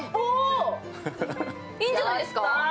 いいんじゃないですか。